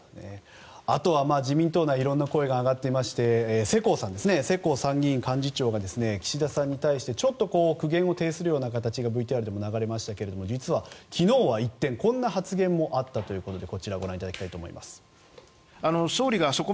あとは自民党内にいろいろな声が上がっていまして世耕参院幹事長が岸田総理に対してちょっと苦言を呈するような形がＶＴＲでも流れましたが実は、昨日は一転、こんな発言もあったということです。